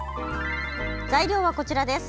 材料は、こちらです。